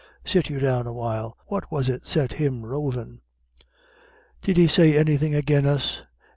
Sit you down a while. What was it set him rovin'?" "Did he say anythin' agin us?